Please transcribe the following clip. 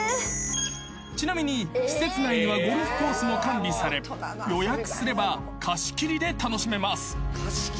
［ちなみに施設内にはゴルフコースも完備され予約すれば貸し切りで楽しめます］